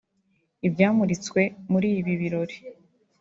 Ibyamuritswe muri ibi birori